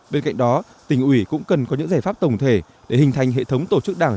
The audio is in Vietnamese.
bên cạnh đó tỉnh ủy cũng cần có những giải pháp tổng thể để hình thành hệ thống tổ chức đảng